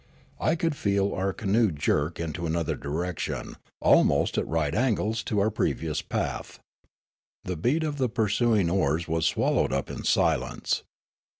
I could feel our canoe jerk into another direction, almost at right angles to our pre vious path. The beat of the pursuing oars was swallowed up in silence.